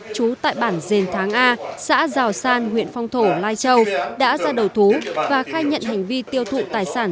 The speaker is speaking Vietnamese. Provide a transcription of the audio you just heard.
trú tại bản dền tháng a xã giào san huyện phong thổ lai châu đã ra đầu thú và khai nhận hành vi tiêu thụ tài sản